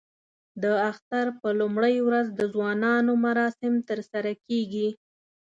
د اختر په لومړۍ ورځ د ځوانانو مراسم ترسره کېږي.